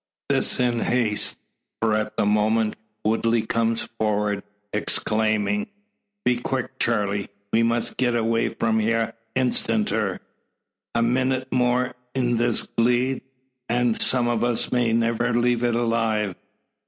This in haste, for at the moment Woodley comes forward, exclaiming: "Be quick, Charley! We must git away from hyar instanter. A minuit more in this gleed, an' some o' us may niver leave it alive."